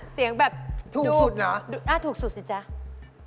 เสียงแบบดูเอ้าถูกสุดสิจ๊ะถูกสุดเหรอ